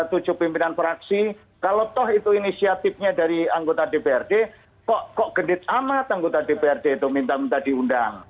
tujuh pimpinan fraksi kalau toh itu inisiatifnya dari anggota dprd kok gedet amat anggota dprd itu minta minta diundang